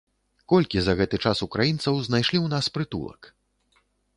Колькі за гэты час украінцаў знайшлі ў нас прытулак?